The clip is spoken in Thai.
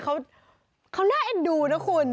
เขาน่าเอ็นดูนะคุณ